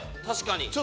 確かに。